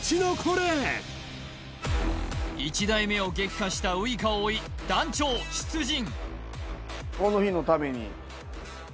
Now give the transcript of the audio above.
１台目を撃破したウイカを追い団長出陣！